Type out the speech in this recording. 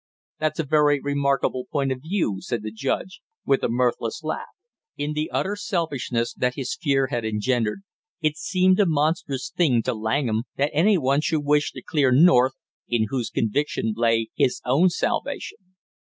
"That's a very remarkable point of view!" said the judge, with a mirthless laugh. In the utter selfishness that his fear had engendered, it seemed a monstrous thing to Langham that any one should wish to clear North, in whose conviction lay his own salvation.